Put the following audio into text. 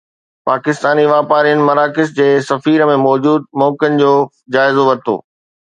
پاڪستاني واپارين مراکش جي سفير ۾ موجود موقعن جو جائزو ورتو